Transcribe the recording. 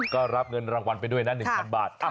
ก็รับเงินรางวัลไปด้วยนะ๑๐๐บาท